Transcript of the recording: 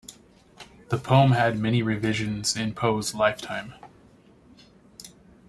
The poem had many revisions in Poe's lifetime.